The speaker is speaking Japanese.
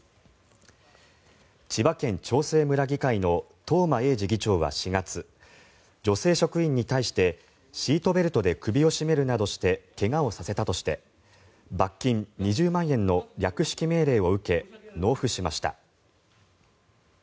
千葉県長生村議会の東間永次議長は４月女性職員に対してシートベルトで首を絞めるなどして怪我をさせたとして罰金２０万円の略式命令を受け納付しました。